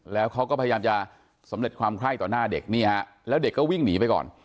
แล้วเขาก็พยายามจะสำเร็จความไคร้ต่อหน้าเด็กนี่ฮะแล้วเด็กก็วิ่งหนีไปก่อน